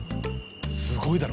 すごいだろ。